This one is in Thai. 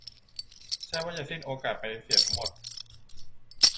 ใช่ว่าจะสิ้นโอกาสไปเสียทั้งหมด